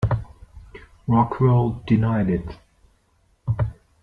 Rockwell denied it.